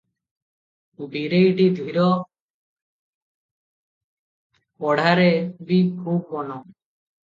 ବୀରେଇଟି ଧୀର, ପଡ଼ଢ଼ାରେ ବି ଖୁବ ମନ ।